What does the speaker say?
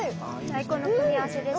最高の組み合わせです。